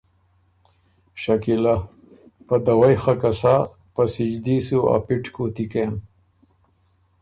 شکیلۀ ـــ ”په دوَئ خه که سۀ په سجدي سُو ا پِټ کُوتی کېم“